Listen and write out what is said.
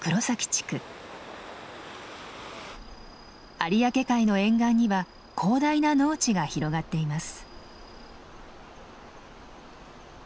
有明海の沿岸には広大な農地が広がっています。